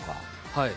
はい。